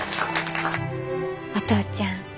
お父ちゃん